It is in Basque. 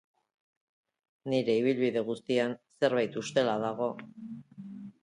Nire ibilbide guztian zerbait ustela dago...